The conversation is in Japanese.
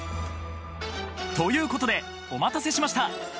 ということでお待たせしました！